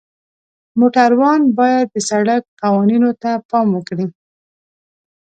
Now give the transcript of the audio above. موټروان باید د سړک قوانینو ته پام وکړي.